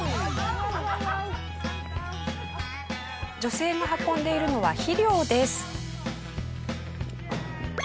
女性が運んでいるのは肥料です。